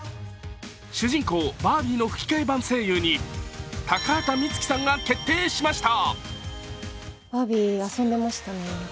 主人公バービーの吹き替え版声優に高畑充希さんが決定しました。